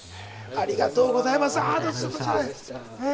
ありがとうございます。